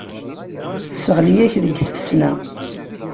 Tesseɣli-ak deg tfesna.